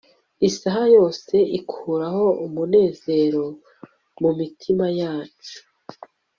isaha yose ikuraho umunezero mumitima yacu